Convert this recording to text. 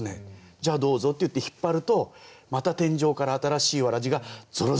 じゃあどうぞ」って言って引っ張るとまた天井から新しいわらじがぞろぞろって出てくる。